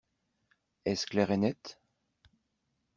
Est-ce clair et net ?